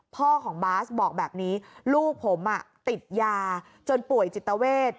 พ่อของบาสบอกแบบนี้ลูกผมติดยาจนป่วยจิตเวท